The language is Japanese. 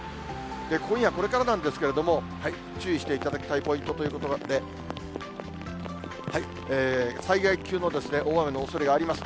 今夜、これからなんですけれども、注意していただきたいポイントということで、災害級の大雨のおそれがあります。